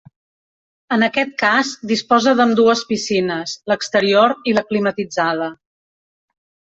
En aquest cas disposa d'ambdues piscines, l'exterior i la climatitzada.